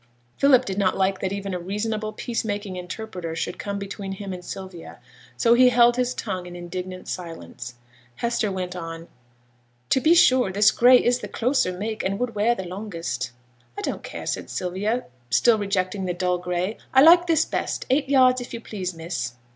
Philip did not like that even a reasonable peace making interpreter should come between him and Sylvia, so he held his tongue in indignant silence. Hester went on: 'To be sure, this gray is the closer make, and would wear the longest.' 'I don't care,' said Sylvia, still rejecting the dull gray. 'I like this best. Eight yards, if you please, miss.'